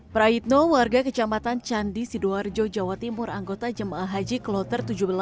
praitno warga kecamatan candi sidoarjo jawa timur anggota jemaah haji kloter tujuh belas